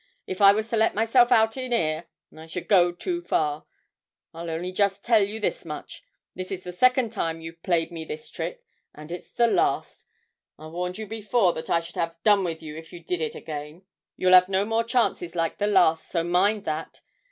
'If I was to let myself out in 'ere, I should go too far. I'll only just tell you this much; this is the second time you've played me this trick, and it's the last! I warned you before that I should have done with you if you did it again: you'll 'ave no more chances like the last, so mind that.